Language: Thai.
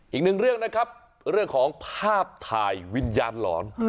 อีกหนึ่งเรื่องนะครับเรื่องของภาพถ่ายวิญญาณหลอน